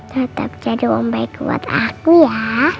tetap jadi uang baik buat aku ya